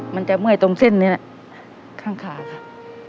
มันจะเมื่อยตรงเส้นนี้แหละข้างขาค่ะ